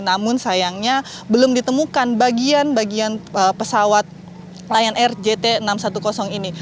namun sayangnya belum ditemukan bagian bagian pesawat lion air jt enam ratus sepuluh ini